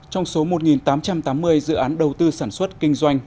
trong số một tám trăm tám mươi dự án đầu tư sản xuất kinh doanh